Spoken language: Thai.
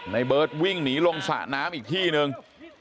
ในเบิร์ตวิ่งหนีลงสระน้ำอีกที่หนึ่ง